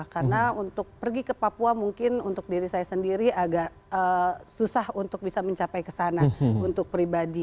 karena untuk pergi ke papua mungkin untuk diri saya sendiri agak susah untuk bisa mencapai ke sana untuk pribadi